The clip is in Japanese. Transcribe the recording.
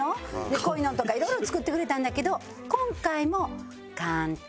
こういうのとか色々作ってくれたんだけど今回も簡単。